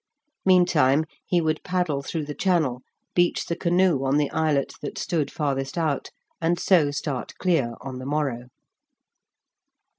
Meantime, he would paddle through the channel, beach the canoe on the islet that stood farthest out, and so start clear on the morrow.